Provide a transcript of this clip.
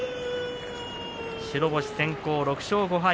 白星先行、６勝５敗。